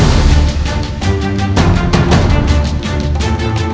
masuklah ke dalam tubuh